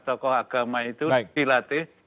tokoh agama itu dilatih